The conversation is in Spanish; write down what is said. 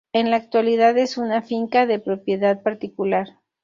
En la actualidad es una finca de propiedad particular.